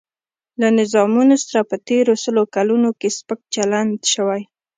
له نظامونو سره په تېرو سلو کلونو کې سپک چلن شوی.